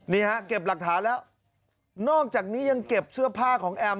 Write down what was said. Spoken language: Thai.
นี่ฮะเก็บหลักฐานแล้วนอกจากนี้ยังเก็บเสื้อผ้าของแอม